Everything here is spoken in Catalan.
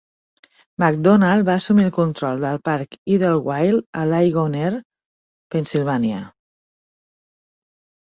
Macdonald va assumir el control del parc Idlewild a Ligonier, Pennsilvània.